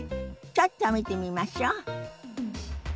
ちょっと見てみましょ。